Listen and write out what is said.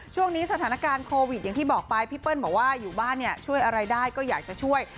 ช่วงนี้สถานการณ์โควิดอย่างที่บอกไปพี่เปิ้ลบอกว่าอยู่บ้านเนี่ยช่วยอะไรได้ก็อยากจะช่วย